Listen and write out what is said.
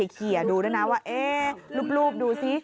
เขียนดูด้วยนะว่าลูบดูสิ